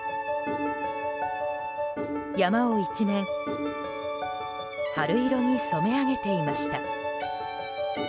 山を一面、春色に染め上げていました。